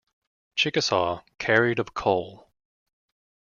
"Chickasaw" carried of coal.